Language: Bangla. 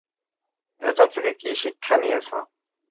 এটা থেকে কী শিক্ষা নিয়েছ?